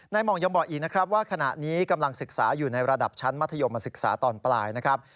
หม่องยังบอกอีกนะครับว่าขณะนี้กำลังศึกษาอยู่ในระดับชั้นมัธยมศึกษาตอนปลายนะครับ